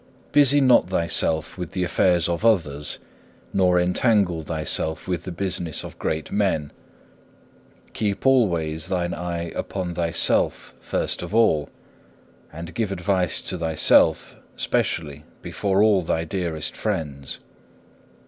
3. Busy not thyself with the affairs of others, nor entangle thyself with the business of great men. Keep always thine eye upon thyself first of all, and give advice to thyself specially before all thy dearest friends.